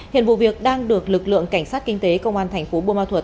hiện vụ việc đang được lực lượng cảnh sát kinh tế công an thành phố bô ma thuật